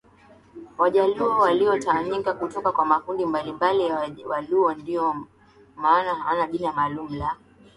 Wajaluo waliotawanyika kutoka kwa makundi mbalimbali ya Waluo ndiyo maana hawana jina maalum la